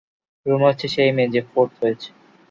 রুমা হচ্ছে সেই মেয়ে যে ফোর্থ হয়েছে।